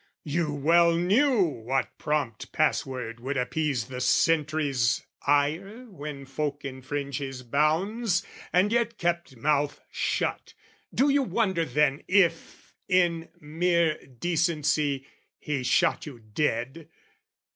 "You well knew what prompt pass word would appease "The sentry's ire when folk infringe his bounds, "And yet kept mouth shut: do you wonder then "If, in mere decency, he shot you dead?